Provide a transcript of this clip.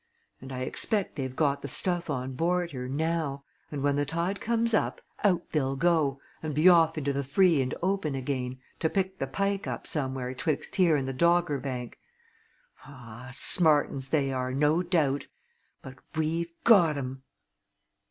And I expect they've got the stuff on board her, now, and when the tide comes up, out they'll go, and be off into the free and open again, to pick the Pike up somewhere 'twixt here and the Dogger Bank. Ah! smart 'uns they are, no doubt. But we've got 'em!"